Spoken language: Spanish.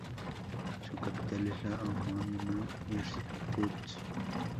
Su capital es la homónima Irkutsk.